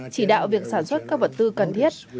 chỉ đạo việc sản xuất các vật tư cần thiết